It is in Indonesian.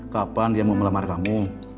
kapan dia mau melamar kamu